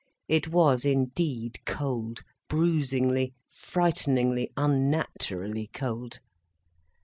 It was indeed cold, bruisingly, frighteningly, unnaturally cold.